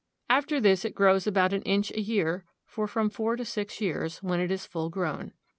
After this it grows about an inch a year for from four to six years, when it is full grown.